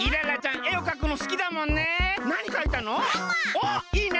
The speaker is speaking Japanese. おっいいね。